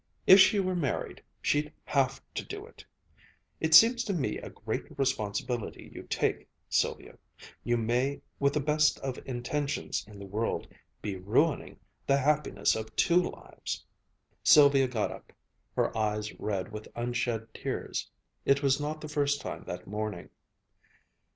If she were married, she'd have to do it! It seems to me a great responsibility you take, Sylvia you may, with the best of intentions in the world, be ruining the happiness of two lives." Sylvia got up, her eyes red with unshed tears. It was not the first time that morning.